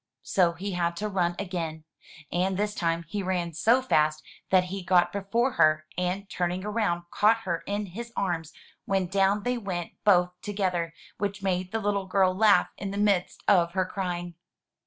So he had to run again, and this time he ran so fast that he got before her, and turning round caught her in his arms, when down they went both together, which made the little girl laugh in the midst of her crying.